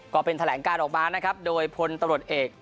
ก็เป็นแถลงการออกมานะครับโดยพลตำรวจเอก